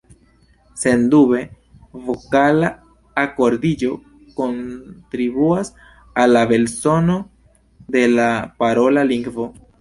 Sendube vokala akordiĝo kontribuas al la belsono de la parola lingvo.